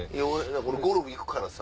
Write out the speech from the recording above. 俺ゴルフ行くからさ。